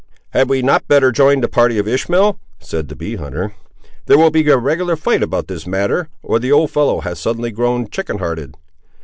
"Had we not better join the party of Ishmael?" said the bee hunter. "There will be a regular fight about this matter, or the old fellow has suddenly grown chicken hearted."